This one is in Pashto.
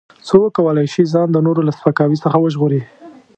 څو وکولای شي ځان د نورو له سپکاوي څخه وژغوري.